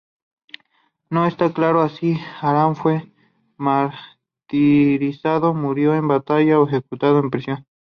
No está claro si Aram fue martirizado, murió en batalla o ejecutado en prisión.